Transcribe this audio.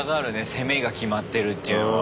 攻めが決まってるっていうのは。